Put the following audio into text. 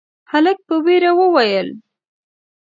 هلک په وېره وويل: